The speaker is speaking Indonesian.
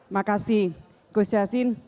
makasih gus yasin